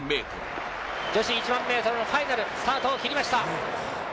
女子１００００ｍのファイナルスタートを切りました。